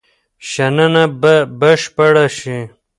شننه به بشپړه شي.